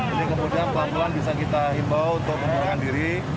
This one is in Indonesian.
ini kemudian pelan pelan bisa kita himbau untuk mengundurkan diri